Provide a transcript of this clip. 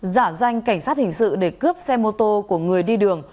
giả danh cảnh sát hình sự để cướp xe mô tô của người đi đường